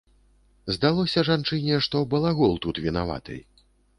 Здалося жанчыне, што балагол тут вінаваты.